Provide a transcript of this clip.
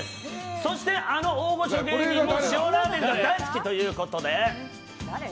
そして、あの大御所芸人も塩ラーメンが大好きということで。